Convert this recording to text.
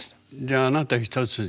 じゃああなた一筋？